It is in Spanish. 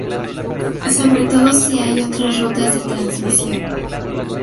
Sobre todo si hay otras rutas de transmisión.